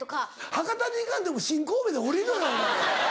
博多に行かんでも新神戸で降りろよお前。